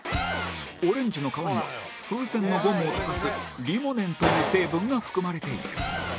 オレンジの皮には風船のゴムを溶かすリモネンという成分が含まれている